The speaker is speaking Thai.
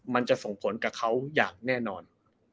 มันจะส่งผลกับเขาอย่างแน่นอน